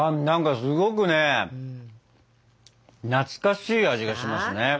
なんかすごくね懐かしい味がしますね。